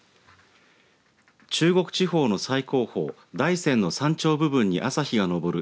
中国地方の最高峰大山の山頂部分に朝日が昇る